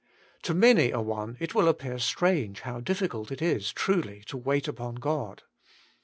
To many a one it will appear strange how difficult it is truly to wait upon God.